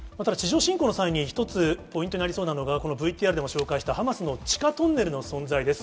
ただ地上侵攻の際に一つポイントになりそうなのが、ＶＴＲでも紹介したハマスの地下トンネルの存在です。